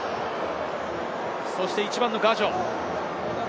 そして１番はガジョ。